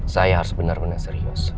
saya harus benar benar serius